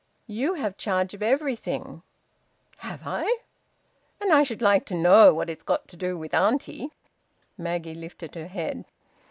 "You have charge of everything." "Have I! ... And I should like to know what it's got to do with auntie!" Maggie lifted her head.